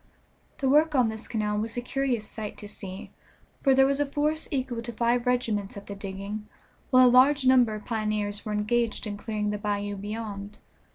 The work on this canal was a curious sight to see, for there was a force equal to five regiments at the digging, while a large number of pioneers were engaged in clearing the bayou beyond.